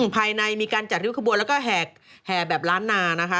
มีการจัดริ้วขบวนแล้วก็แห่แบบล้านนานะคะ